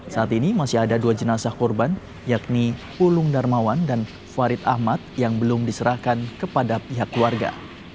saat ini masih ada dua jenazah korban yakni ulung darmawan dan farid ahmad yang belum diserahkan kepada pihak keluarga